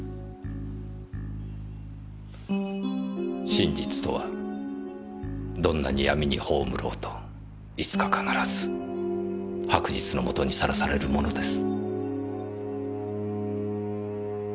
真実とはどんなに闇に葬ろうといつか必ず白日の下にさらされるものです。